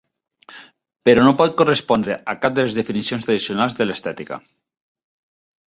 Però no pot correspondre a cap de les definicions tradicionals de l'estètica.